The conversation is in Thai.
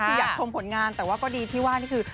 คืออยากชมผลงานแต่ว่าก็ดีที่ว่านี่คือ